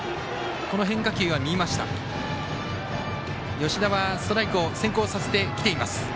吉田はストライクを先行させてきています。